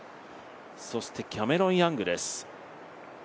キャメロン・ヤングです。